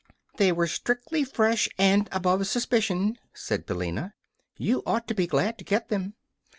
"They were strictly fresh and above suspicion," said Billina. "You ought to be glad to get them."